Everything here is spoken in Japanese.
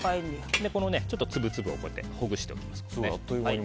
そして、粒々をほぐしておきます。